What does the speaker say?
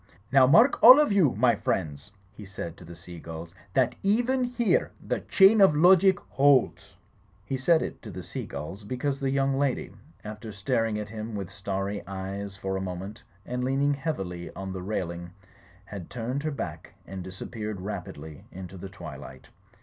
Now, mark all of you, my friends," he said to the seagulls "that even here the chain of logic holds." He said it to the seagulls because the young lady, after staring at him with starry eyes for a moment and leaning heavily on the railing, had turned her back and disappeared rapidly into the twilight.